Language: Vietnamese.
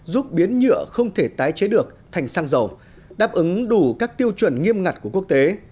giúp biến nhựa không thể tái chế được thành xăng dầu đáp ứng đủ các tiêu chuẩn nghiêm ngặt của quốc tế